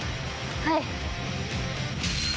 はい。